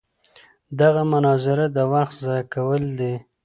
دغه مناظره د وخت ضایع کول دي.